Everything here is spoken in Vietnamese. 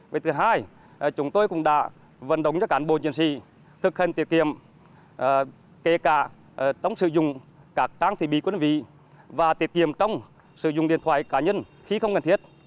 vì thứ hai chúng tôi cũng đã vận động các cán bộ nhân sĩ thực hành tiết kiệm kể cả trong sử dụng các trang thiết bị của đơn vị và tiết kiệm trong sử dụng điện thoại cá nhân khi không cần thiết